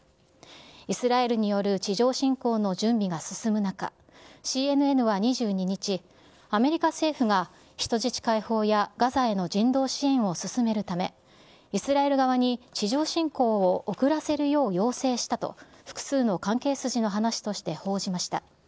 イスラエルによる地上侵攻の準備が進む中、ＣＮＮは２２日、アメリカ政府が人質解放やガザへの人道支援を進めるため、イスラエル側に地上侵攻を遅らせるよう要請したと、複数の関係筋の話として報じました。